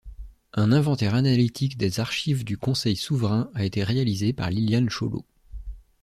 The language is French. Un inventaire analytique des archives du Conseil souverain a été réalisé par Liliane Chauleau.